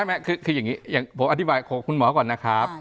ไม่คืออย่างนี้อย่างผมอธิบายของคุณหมอก่อนนะครับ